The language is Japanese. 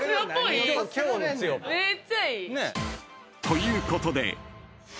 ［ということで］